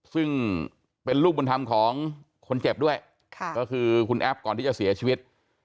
ซึ่งเป็นลูกบุญธรรมของคนเจ็บด้วยก็คือคุณแอฟก่อนที่จะเสียชีวิต